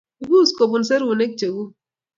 Ipus kobun serunek cheguk